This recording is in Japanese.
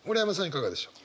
いかがでしょう？